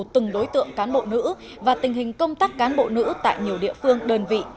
từng đối tượng cán bộ nữ và tình hình công tác cán bộ nữ tại nhiều địa phương đơn vị